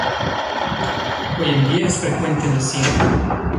Hoy en día es frecuente en las ciencias.